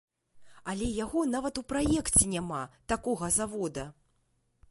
Але яго нават у праекце няма, такога завода!